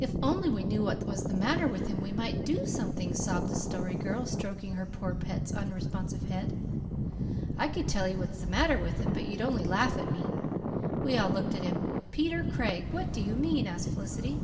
"If we only knew what was the matter with him we might do something," sobbed the Story Girl, stroking her poor pet's unresponsive head. "I could tell you what's the matter with him, but you'd only laugh at me," said Peter. We all looked at him. "Peter Craig, what do you mean?" asked Felicity.